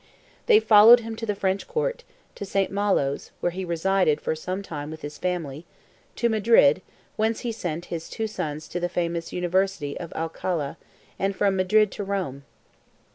They followed him to the French court, to St. Malo's (where he resided for some time with his family), to Madrid, whence he sent his two sons to the famous University of Alcala, and from Madrid to Rome.